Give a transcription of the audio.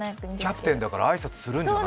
キャプテンだから挨拶するんじゃない？